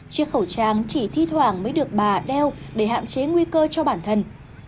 chiếc khẩu trang chỉ thi thoảng mới được bà đeo để hạn chế nguy cơ cho bản thân